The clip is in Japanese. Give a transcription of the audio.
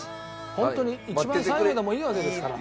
ホントに一番最後でもいいわけですから。